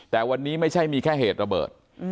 แต่วันนี้ไม่ใช่มีแค่เหตุระเบิด